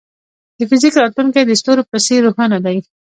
د فزیک راتلونکی د ستورو په څېر روښانه دی.